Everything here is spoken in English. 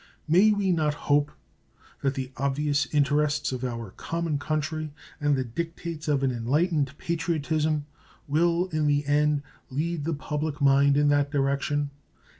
May we not hope that the obvious interests of our common country and the dictates of an enlightened patriotism will in the end lead the public mind in that direction?